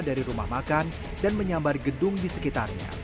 dari rumah makan dan menyambar gedung di sekitarnya